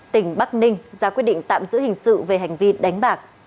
tỉnh bắc ninh ra quyết định tạm giữ hình sự về hành vi đánh bạc